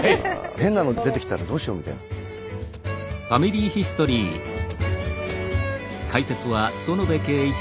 変なのが出てきたらどうしようみたいなのが。